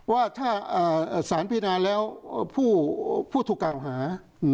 ว่าถ้าศาลพินาแล้วผู้ทุกขาวหา